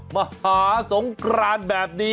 มหาสงครรภ์แบบนี้นะ